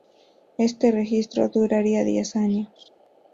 Este registro duraría diez años.